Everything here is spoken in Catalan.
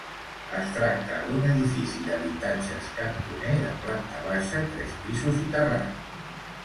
Es tracta d'un edifici d'habitatges cantoner de planta baixa, tres pisos i terrat.